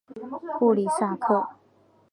布里萨克。